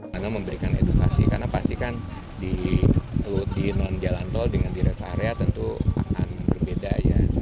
karena memberikan edukasi karena pastikan di non jalan tol dengan dirasa area tentu akan berbeda ya